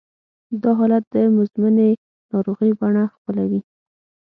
دا حالت د مزمنې ناروغۍ بڼه خپلوي